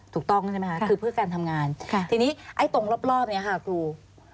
ถูกต้องใช่ไหมคะคือเพื่อการทำงานทีนี้ไอ้ตรงรอบนี้ค่ะครู